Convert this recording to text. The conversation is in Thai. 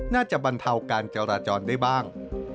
บรรเทาการจราจรได้บ้าง